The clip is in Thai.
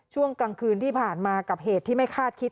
ช่วงกลางคืนที่ผ่านมากับเหตุที่ไม่คาดคิด